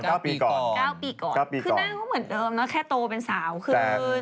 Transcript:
คือนั่นก็เหมือนเดิมแค่โตเป็นสาวคืน